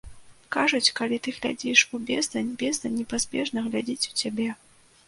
Кажуць, калі ты глядзіш у бездань, бездань непазбежна глядзіць у цябе.